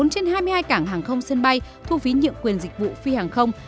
bốn trên hai mươi hai cảng hàng không sân bay thu phí nhượng quyền dịch vụ phi hàng không